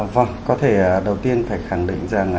vâng có thể đầu tiên phải khẳng định rằng